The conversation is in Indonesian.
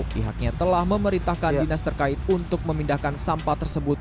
pihaknya telah memerintahkan dinas terkait untuk memindahkan sampah tersebut